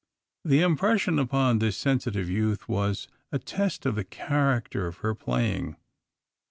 The impression upon this sensitive youth was a test of the character of her playing.